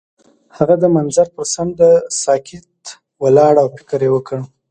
هغه د منظر پر څنډه ساکت ولاړ او فکر وکړ.